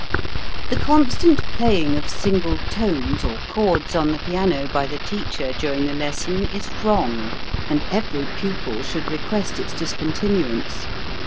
The constant playing of single tones or chords on the piano by the teacher during the lesson is wrong, and every pupil should request its discontinuance.